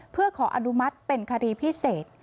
เพื่อขออนุมัติเป็นคดีพิเศษ